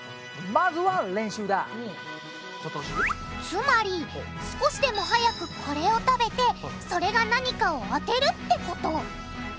つまり少しでもはやくこれを食べてそれが何かを当てるってこと！